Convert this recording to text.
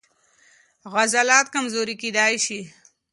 عضلات کمزوري کېدای شي.